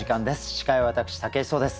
司会は私武井壮です。